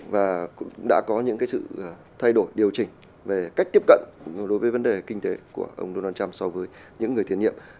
và cũng đã có những sự thay đổi điều chỉnh về cách tiếp cận đối với vấn đề kinh tế của ông donald trump so với những người thiệt nhiệm